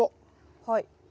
はい。